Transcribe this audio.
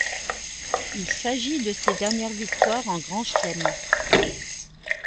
Il s'agit de ses dernières victoires en Grand Chelem.